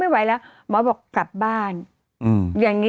หมอบอกกลับบ้าน